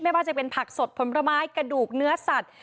ว่าจะเป็นผักสดผลไม้กระดูกเนื้อสัตว์